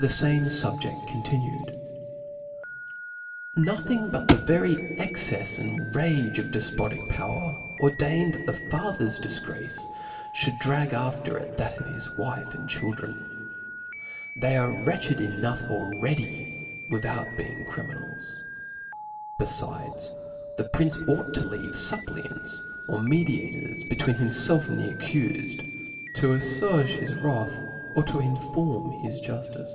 XXX. 7befaiite SuhjeSi ^ontmued*^ I^OTHING but the very exceis and rage of book *^ ilcfpotic power ordained that the father*s dif ^^ grace ihoul4 xirag after it that of his wife and ^*' children. They are wretched enough already with out being criminals : beHdes, the prince ought to fcave ftfp[>iiants or mediators between himfelf and the accbCed, to alTwage Jus wrath, or to itiform his jufHcc.